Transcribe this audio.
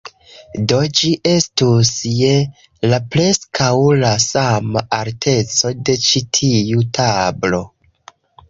Do, ĝi estus je la preskaŭ la sama alteco de ĉi tiu tablo